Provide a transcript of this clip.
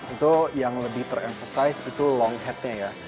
itu yang lebih ter emphasize itu long headnya ya